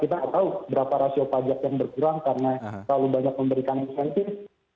kita nggak tahu berapa rasio pajak yang berkurang karena terlalu banyak memberikan insentif